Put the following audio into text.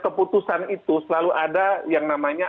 keputusan itu selalu ada yang namanya